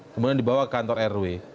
kemudian dibawa ke kantor rw